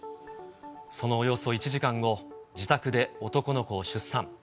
そのおよそ１時間後、自宅で男の子を出産。